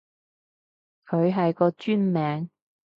佢係個專名